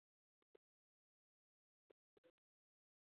Bir nechta manba bir vaqtda xabar berishdi.